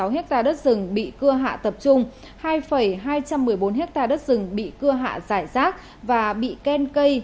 bảy trăm một mươi sáu ha đất rừng bị cưa hạ tập trung hai hai trăm một mươi bốn ha đất rừng bị cưa hạ giải rác và bị ken cây